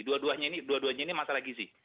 dua duanya ini dua duanya ini masalah gizi